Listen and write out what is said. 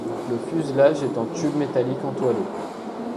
Le fuselage est en tubes métalliques entoilés.